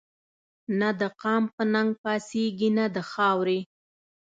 نه دقام په ننګ پا څيږي نه دخاوري